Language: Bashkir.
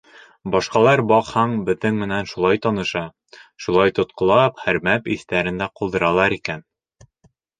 Башҡалар, баҡһаң, беҙҙең менән шулай таныша, шулай тотҡолап, һәрмәп иҫтәрендә ҡалдыралар икән.